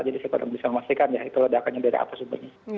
jadi saya kurang bisa memastikan ya itu ledakannya dari apa sumbernya